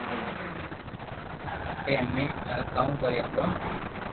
ايي مي امي ڪاوُ ڪري ھگو